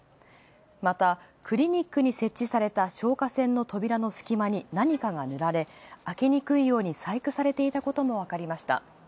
また、クリニックに設置された消火栓の扉の隙間に何かが塗られ、あけにくいように細工されていたこともわかった。